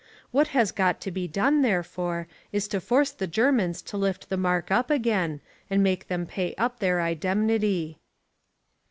What has got to be done, therefore, is to force the Germans to lift the mark up again, and make them pay up their indemnity.